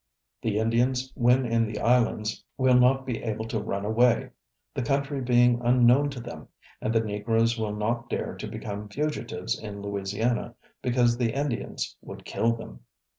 The Indians, when in the islands, will not be able to run away, the country being unknown to them, and the Negroes will not dare to become fugitives in Louisiana, because the Indians would kill them."